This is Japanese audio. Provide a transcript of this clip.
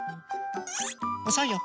おそいよ。